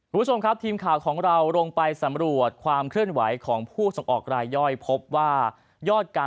คุณผู้ชมครับทีมข่าวของเราลงไปสำรวจความเคลื่อนไหวของผู้ส่งออกรายย่อยพบว่ายอดการ